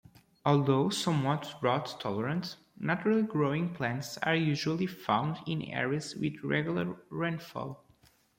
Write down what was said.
Although somewhat drought-tolerant, naturally growing plants are usually found in areas with regular rainfall.